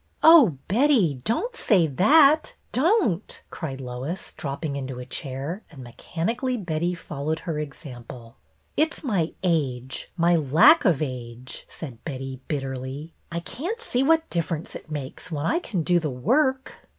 " Oh, Betty, don't say that, don't !" cried Lois, dropping into a chair, and mechanically Betty followed her example. " It 's my age, my lack of age," said Betty, bitterly. " I can't see what difference it makes when I can do the work."